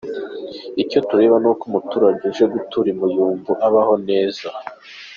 Icyo tureba ni uko umuturage uje gutura i Muyumbu abaho neza.